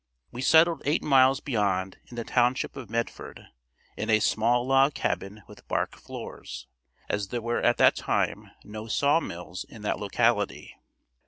We settled eight miles beyond in the township of Medford in a small log cabin with bark floors, as there were at that time no saw mills in that locality.